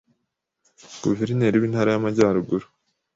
Guverineri wintara ya majaruguru